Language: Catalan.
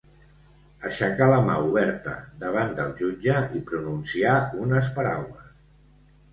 Aixecar la mà oberta davant del jutge i pronunciar unes paraules.